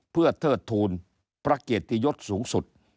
เพื่อเทิดทูลพระเกียรติยศสูงสุด